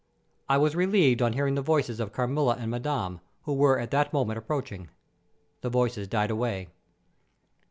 I was relieved on hearing the voices of Carmilla and Madame, who were at that moment approaching. The voices died away.